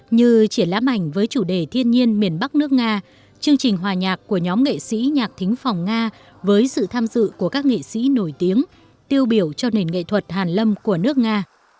như triển lãm ảnh với chủ đề thiên nhiên miền bắc nước nga chương trình hòa nhạc của nhóm nghệ sĩ nhạc thính phòng nga với sự tham dự của các nghệ sĩ nổi tiếng tiêu biểu cho nền nghệ thuật hàn lâm của nước nga